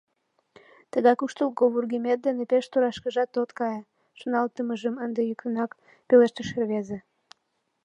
— Тыгай куштылго вургемет дене пеш торашкыжак от кае, — шоналтымыжым ынде йӱкынак пелештыш рвезе.